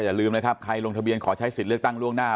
อย่าลืมไปใช้สิทธิ์กันเยอะนะคะ